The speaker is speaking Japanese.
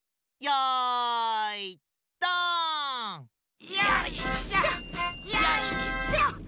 よいしょ！